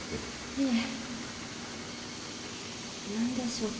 いえ何でしょうか。